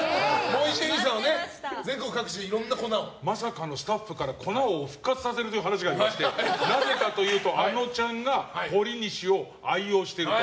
伊集院さんは全国各地いろんな粉をまさかのスタッフから粉王復活させるという話がありまして、なぜかというとあのちゃんがほりにしを愛用していると。